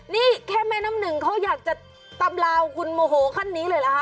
นี่แค่แม่น้ำหนึ่งเขาอยากจะตำลาวคุณโมโหขั้นนี้เลยเหรอคะ